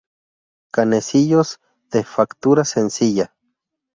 Canecillos de factura sencilla.